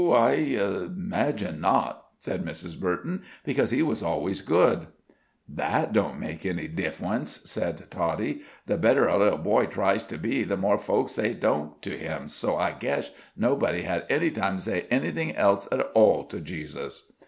I imagine not," said Mrs. Burton, "because he was always good." "That don't make any diffwelence," said Toddie. "The better a little boy triesh to be, the more folks say 'Don't' to him. So I guesh nobody had any time to say anyfing elsh at all to Jesus."